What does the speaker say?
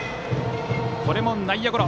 これも内野ゴロ！